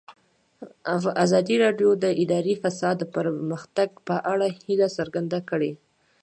ازادي راډیو د اداري فساد د پرمختګ په اړه هیله څرګنده کړې.